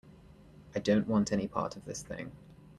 I don't want any part of this thing.